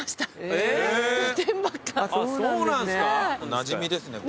なじみですね